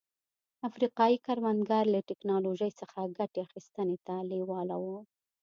افریقايي کروندګر له ټکنالوژۍ څخه ګټې اخیستنې ته لېواله وو.